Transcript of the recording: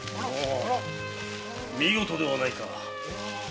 見事ではないか！